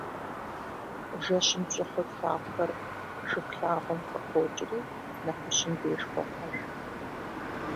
Жэщым пщӏыхьу тлъагъухэр Шыхулъагъуэм къыхокӏри, нэхущым деж хохьэж.